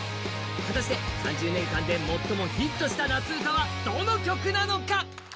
果たして３０年間で最もヒットした夏うたはどの曲なのか。